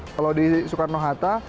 kalau di soekarno hatta